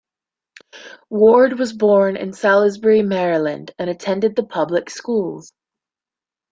Ward was born in Salisbury, Maryland, and attended the public schools.